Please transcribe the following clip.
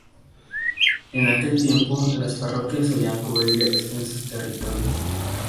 En aquel tiempo, las parroquias solían cubrir extensos territorios.